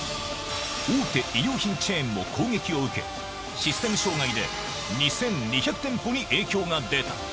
大手衣料品チェーンも攻撃を受け、システム障害で２２００店舗に影響が出た。